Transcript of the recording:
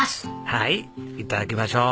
はいいただきましょう。